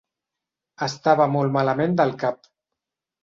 Estava molt malament del cap.